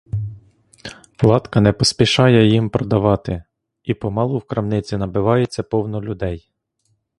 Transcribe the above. Латка не поспішає їм продавати, і помалу в крамниці набивається повно людей.